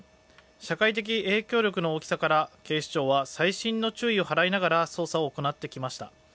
社会的影響力の大きさから警視庁は細心の注意を払いながら捜査を行ってきました。